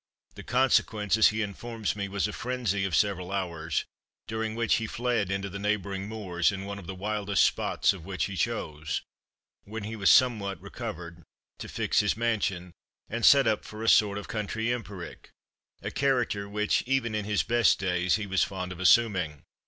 The consequence, as he informs me, was a frenzy of several hours, during which he fled into the neighbouring moors, in one of the wildest spots of which he chose, when he was somewhat recovered, to fix his mansion, and set up for a sort of country empiric, a character which, even in his best days, he was fond of assuming.